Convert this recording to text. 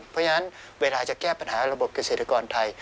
เพราะฉะนั้นเวลาจะแก้ปัญหาระบบเกษตรกรไทย